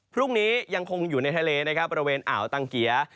พรุ่งนี้ยังคงอยู่ในทะเลนะครับบริเวณอ่าวตังเกียร์